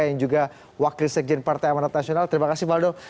yang juga wakil sekjen partai amanat nasional terima kasih faldo